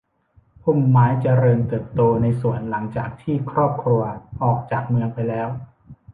พุ่มไม้เจริญเติบโตในสวนหลังจากที่ครอบครัวออกจากเมืองไปแล้ว